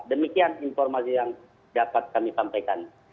demikian informasi yang dapat kami sampaikan